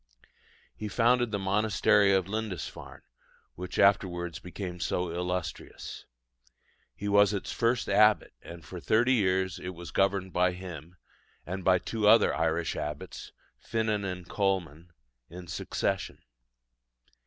He founded the monastery of Lindisfarne, which afterwards became so illustrious. He was its first abbot; and for thirty years it was governed by him and by two other Irish abbots, Finan and Colman, in succession.